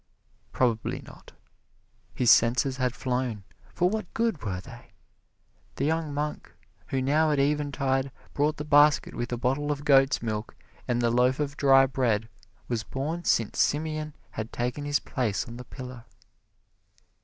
Probably not. His senses had flown, for what good were they! The young monk who now at eventide brought the basket with the bottle of goat's milk and the loaf of dry bread was born since Simeon had taken his place on the pillar.